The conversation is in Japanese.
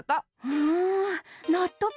うんなっとく！